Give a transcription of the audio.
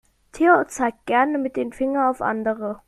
Theo zeigt gerne mit dem Finger auf andere.